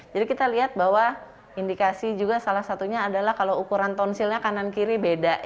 jadi kita lihat bahwa indikasi juga salah satunya adalah kalau ukuran tonsilnya kanan kiri beda